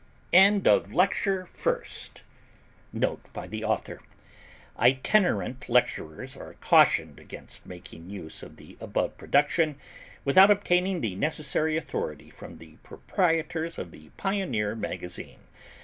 END OF LECTURE FIRST NOTE BY THE AUTHOR Itinerant Lecturers are cautioned against making use of the above production, without obtaining the necessary authority from the proprietors of the Pioneer Magazine.